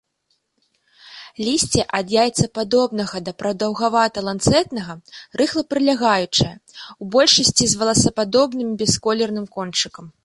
Лісце ад яйцападобнага да прадаўгавата-ланцэтнага, рыхла-прылягаючае, у большасці з воласападобным бясколерным кончыкам.